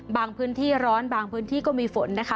พื้นที่ร้อนบางพื้นที่ก็มีฝนนะคะ